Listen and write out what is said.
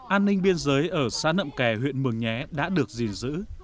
an ninh biên giới ở xã nậm kè huyện mường nhé đã được gìn giữ